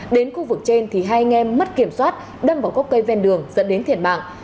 đến khu vực trên thì hai anh em mất kiểm soát đâm vào gốc cây ven đường dẫn đến thiệt mạng